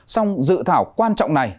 song dự thảo quan trọng này